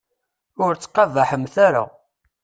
Ur ttqabaḥemt ara.